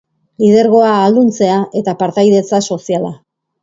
Lidergoa, ahalduntzea, eta partaidetza soziala.